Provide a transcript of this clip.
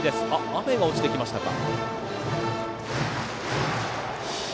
雨が落ちてきましたか。